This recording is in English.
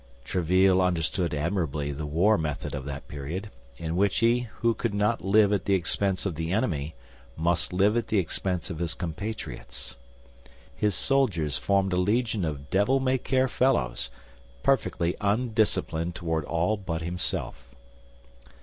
Tréville understood admirably the war method of that period, in which he who could not live at the expense of the enemy must live at the expense of his compatriots. His soldiers formed a legion of devil may care fellows, perfectly undisciplined toward all but himself.